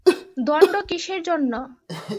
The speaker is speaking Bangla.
দণ্ড কিসের জন্য।